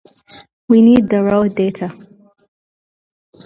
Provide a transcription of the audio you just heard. We need the raw data.